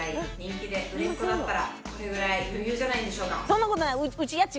そんなことない！